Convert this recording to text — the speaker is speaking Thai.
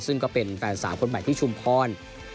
ซึ่งก็เป็นแฟนสาวคนใหม่ที่ชุมพร